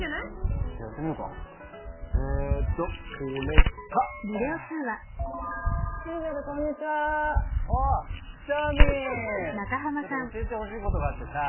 ちょっと教えてほしいことがあってさ。